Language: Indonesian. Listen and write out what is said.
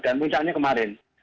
dan puncaknya kemarin